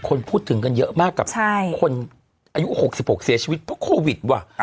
คนพูดถึงกันเยอะมากกับคนอายุ๖๖เสียชีวิตเพราะโควิดว่ะ